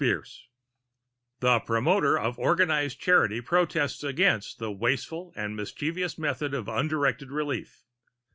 CHARITY THE promoter of organized charity protests against "the wasteful and mischievous method of undirected relief."